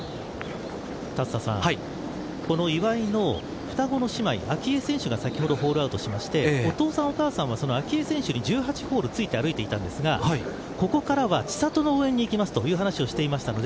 この岩井の双子の姉妹、明愛選手が先ほどホールアウトしましてお父さんお母さんは明愛選手に１８ホール付いて歩いていたんですがここからは千怜の応援に行きますという話をしていました。